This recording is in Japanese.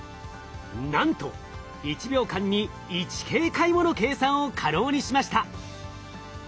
なんと１秒間に１京回もの計算を可能にしました。